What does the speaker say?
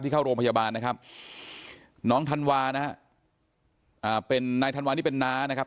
ที่เข้าโรงพยาบาลนะครับน้องธันวานะนายธันวานี่เป็นน้านะครับ